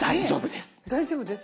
大丈夫です。